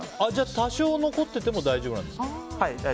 じゃあ多少、残ってても大丈夫なんですか？